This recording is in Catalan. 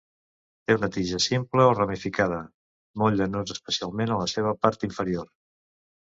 Té una tija simple o ramificada, molt llanós especialment a la seva part inferior.